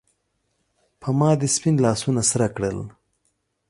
پۀ ما دې سپین لاسونه سرۀ کړل